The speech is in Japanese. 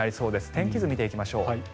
天気図見ていきましょう。